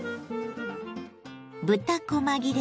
豚こま切れ